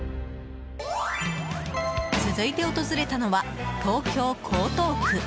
続いて訪れたのは東京・江東区。